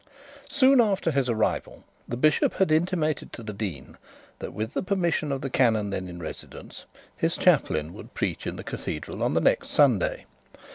Soon after his arrival the bishop had intimated to the dean that, with the permission of the canon then in residence, his chaplain would preach in the cathedral on the next Sunday.